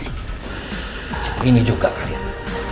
seperti ini juga kalian